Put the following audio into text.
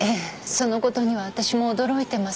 その事には私も驚いてます。